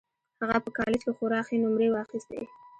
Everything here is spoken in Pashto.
هغه په کالج کې خورا ښې نومرې واخيستې